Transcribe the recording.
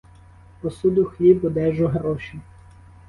Посуду, хліб, одежу, гроші